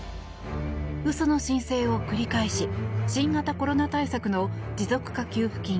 嘘の申請を繰り返し新型コロナ対策の持続化給付金